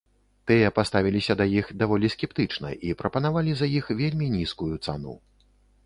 Тыя паставіліся да іх даволі скептычна і прапанавалі за іх вельмі нізкую цану.